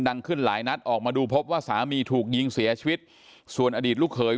ขึ้นหลายนัดออกมาดูพบว่าสามีถูกยิงเสียชีวิตส่วนอดีตลูกเขย